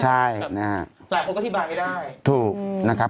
หลายคนก็อธิบายไม่ได้